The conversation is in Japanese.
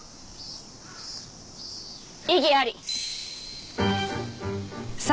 異議あり。